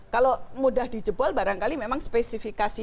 kalau mudah dijebol barangkali memang spesifikasi